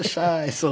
そう。